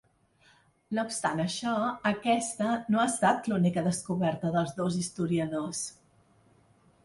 No obstant això , aquesta no ha estat l’única descoberta dels dos historiadors.